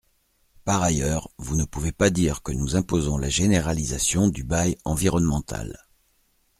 Par ailleurs, vous ne pouvez pas dire que nous imposons la généralisation du bail environnemental.